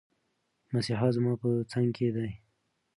مسیحا زما په څنګ کې دی.